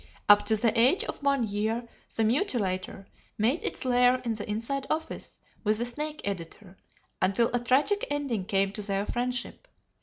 Up to the age of one year the Mutilator made its lair in the inside office with the Snake Editor, until a tragic ending came to their friendship.